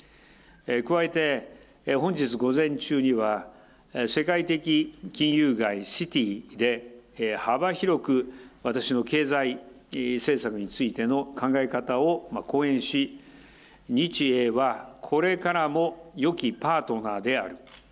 加えて本日午前中には、世界的金融街、シティーで幅広く、私の経済政策についての考え方を講演し、日英は、これからもよきパートナーである。